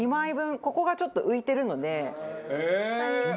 ここがちょっと浮いてるので下につかずに。